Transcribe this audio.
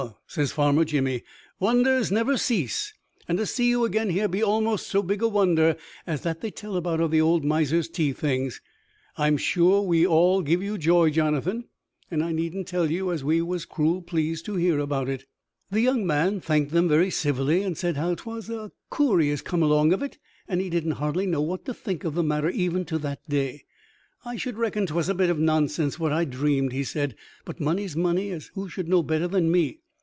says Farmer Jimmy, "wonders never cease! And to see you again here be almost so big a wonder as that they tell about of the old miser's tea things. I'm sure we all give you joy, Jonathan; and I needn't tell you as we was cruel pleased to hear about it." The young man thanked them very civilly, and said how 'twas a coorious come along of it, and he didn't hardly know what to think of the matter even to that day. "I should reckon 'twas a bit of nonsense what I'd dreamed," he said; "but money's money, as who should know better than me?